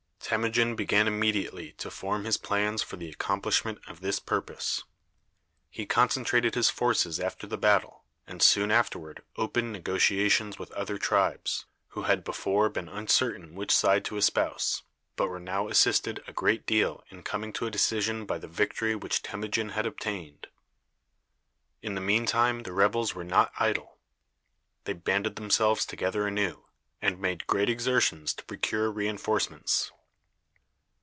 Temujin began immediately to form his plans for the accomplishment of this purpose. He concentrated his forces after the battle, and soon afterward opened negotiations with other tribes, who had before been uncertain which side to espouse, but were now assisted a great deal in coming to a decision by the victory which Temujin had obtained. In the mean time the rebels were not idle. They banded themselves together anew, and made great exertions to procure re enforcements.